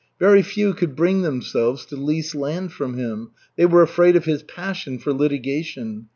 Very few could bring themselves to lease land from him. They were afraid of his passion for litigation.